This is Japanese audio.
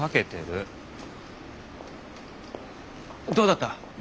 どうだった？